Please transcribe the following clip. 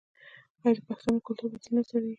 آیا د پښتنو کلتور به تل نه ځلیږي؟